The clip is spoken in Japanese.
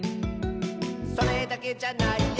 「それだけじゃないよ」